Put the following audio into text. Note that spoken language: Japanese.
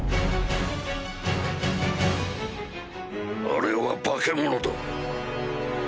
あれは化け物だ！